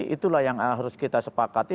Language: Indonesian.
itulah yang harus kita sepakati